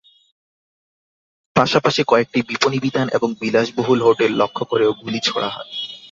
পাশাপাশি কয়েকটি বিপণিবিতান এবং বিলাসবহুল হোটেল লক্ষ্য করেও গুলি ছোড়া হয়।